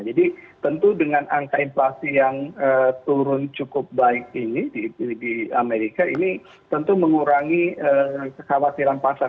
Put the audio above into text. jadi tentu dengan angka inflasi yang turun cukup baik ini di amerika ini tentu mengurangi kekhawatiran pasar